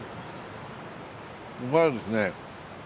うまいですね。